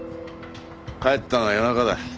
帰ったのは夜中だ。